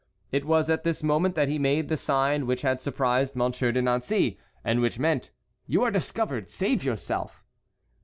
It was at this moment that he made the sign which had surprised Monsieur de Nancey, and which meant, "You are discovered, save yourself!"